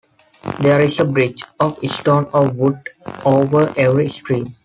There is a bridge of stone or wood over every stream.